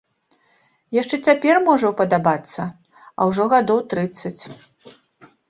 Яшчэ цяпер можа ўпадабацца, а ўжо гадоў трыццаць.